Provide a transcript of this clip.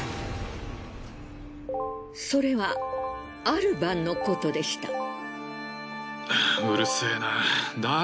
それはある晩のことでした。